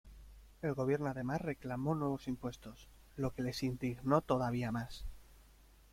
El gobierno además reclamó nuevos impuestos, lo que les indignó todavía más.